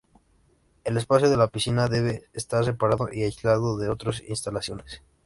El espacio de la piscina debe estar separado y aislado de otras instalaciones.